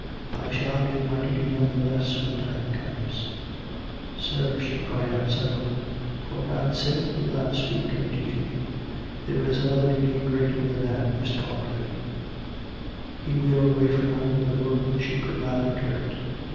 " I shall do my duty none the less when the time comes "" Sir !" she cried out suddenly. " For God's sake do not speak of duty — there is another duty greater than that. Mr. Audrey " He wheeled away from her, with a movement she could not interpret.